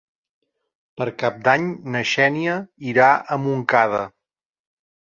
Per Cap d'Any na Xènia irà a Montcada.